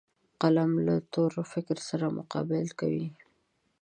قلم له تور فکر سره مقابل کوي